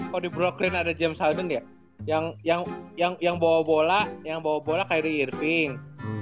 kalau di brooklyn ada james harden ya yang bawa bola yang bawa bola kyrie irving